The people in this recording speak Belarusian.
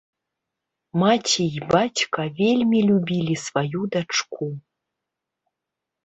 Маці і бацька вельмі любілі сваю дачку.